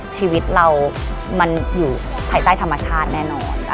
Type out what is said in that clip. ชีวิตเรามันอยู่ภายใต้ธรรมชาติแน่นอน